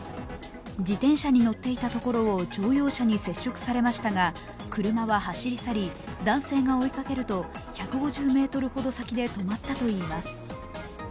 自転車に乗っていたところを乗用車に接触されましたが車は走り去り、男性が追いかけると１５０ｍほど先で止まったといいます。